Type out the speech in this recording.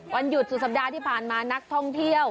วันหยุดสุดสัปดาห์ที่ผ่านมานักท่องเที่ยว